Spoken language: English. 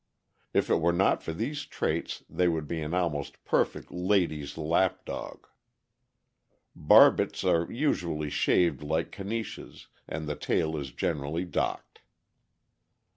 If it were not for these traits, they would be an almost per fect lady's lap dog. Barbets are usually shaved like Caniches, and the tail is generally docked.